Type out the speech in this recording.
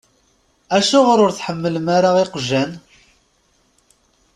Acuɣer ur tḥemmlem ara iqjan?